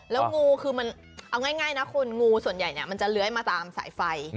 แล้วงูคือมันเอาง่ายนะคุณงูส่วนใหญ่มันจะเลื้อยมาตามสายไฟ